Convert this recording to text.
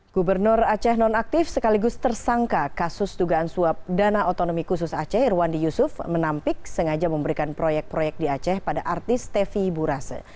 gubernur aceh non aktif sekaligus tersangka kasus dugaan suap dana otonomi khusus aceh irwandi yusuf menampik sengaja memberikan proyek proyek di aceh pada artis tevi burase